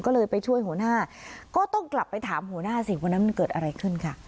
ก็เลยไปช่วยหัวหน้าก็ต้องกลับไปถามหัวหน้าสิวันนั้นมันเกิดอะไรขึ้นค่ะ